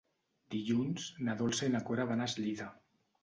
Dilluns na Dolça i na Cora van a Eslida.